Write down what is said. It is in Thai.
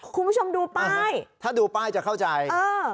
คุณผู้ชมดูป้ายถ้าดูป้ายจะเข้าใจเออ